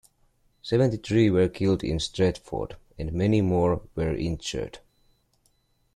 Seventy-three were killed in Stretford, and many more were injured.